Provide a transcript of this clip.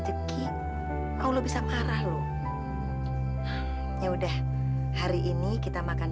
tapi ada yang nyari petasan